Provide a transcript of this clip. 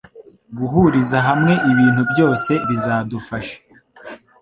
guhuriza hamwe ibintu cyose bizadufasha